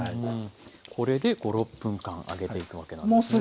これで５６分間揚げていくわけなんですね。